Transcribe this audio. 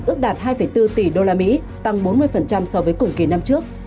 ước đạt hai bốn tỷ usd tăng bốn mươi so với cùng kỳ năm trước